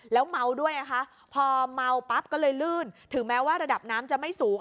แล้วเมาด้วยนะคะพอเมาปั๊บก็เลยลื่นถึงแม้ว่าระดับน้ำจะไม่สูง